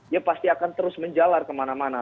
ya pasti akan terus menjalar kemana mana